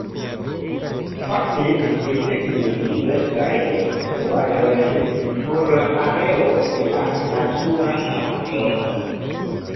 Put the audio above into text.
Fakte li desegnis diversajn konstruaĵojn por la areo de la Lazura Marbordo.